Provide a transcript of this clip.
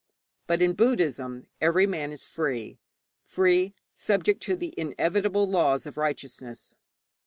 But in Buddhism every man is free free, subject to the inevitable laws of righteousness.